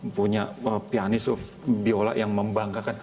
punya pianis of biola yang membanggakan